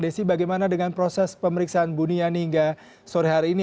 desi bagaimana dengan proses pemeriksaan buniani hingga sore hari ini